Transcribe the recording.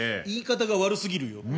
言い方が悪すぎるよ。